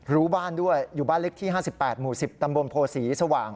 รู้บ้านด้วยอยู่บ้านเล็กที่๕๘หมู่๑๐ตำบลโพศีสว่าง